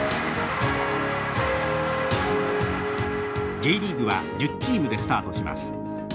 Ｊリーグは１０チームでスタートします。